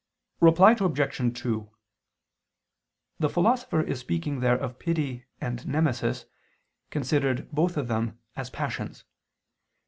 Reply Obj. 2: The Philosopher is speaking there of pity and nemesis, considered, both of them, as passions.